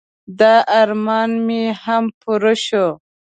د ارمان مې هم پوره شو.